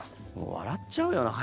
笑っちゃうよな。